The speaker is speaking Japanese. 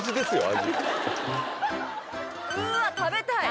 味うわ食べたい！